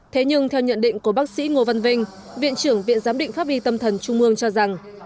thế nhưng theo nhận định của bác sĩ ngô văn vinh viện trưởng viện giám định pháp y tâm thần trung mương cho rằng